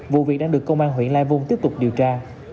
vụ việc đang được công an huyện lai vung tiếp tục điều tra